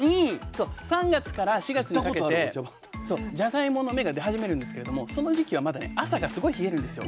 ３月から４月にかけてじゃがいもの芽が出始めるんですけれどもその時期はまだね朝がすごい冷えるんですよ。